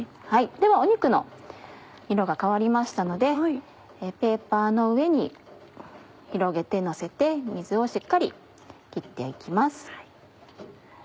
では肉の色が変わりましたのでペーパーの上に広げてのせて水をしっかり切って行きます。